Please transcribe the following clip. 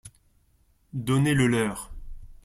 Donnez-le-leur.